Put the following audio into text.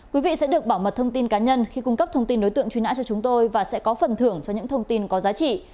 quý vị sẽ được bảo mật thông tin cá nhân khi cung cấp thông tin đối tượng truy nã cho chúng tôi và sẽ có phần thưởng cho những thông tin có giá trị